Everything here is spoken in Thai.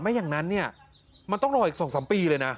ไม่อย่างนั้นเนี่ยมันต้องรออีกสองสามปีเลยนะ